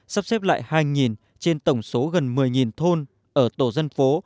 sắp xếp lại hai trên tổng số gần một mươi thôn ở tổ dân phố